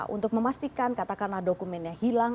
untuk memastikan katakanlah dokumennya hilang